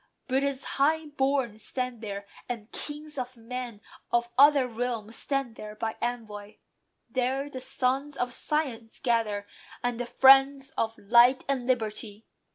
Britain's high born stand there; and kings of men Of other realms stand there by envoy. There The sons of science gather, and the friends Of light and liberty.